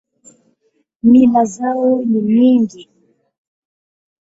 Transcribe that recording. Mila zao ni nyingi.